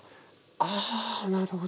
あなるほど。